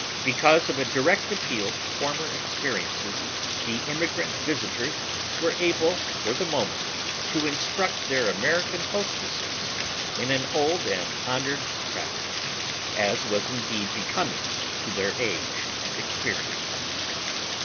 Because of a direct appeal to former experiences, the immigrant visitors were able for the moment to instruct their American hostesses in an old and honored craft, as was indeed becoming to their age and experience.